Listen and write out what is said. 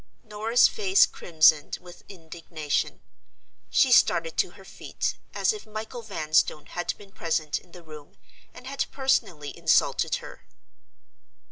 Norah's face crimsoned with indignation. She started to her feet, as if Michael Vanstone had been present in the room, and had personally insulted her.